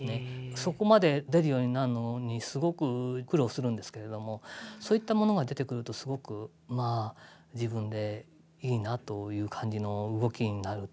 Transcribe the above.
そこまで出るようになるのにすごく苦労するんですけれどもそういったものが出てくるとすごくまあ自分でいいなという感じの動きになるというか。